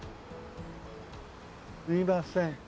すいません。